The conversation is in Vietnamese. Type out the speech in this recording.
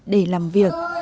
để làm việc